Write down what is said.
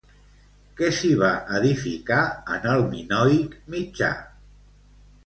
Què s'hi va edificar en el minoic mitjà?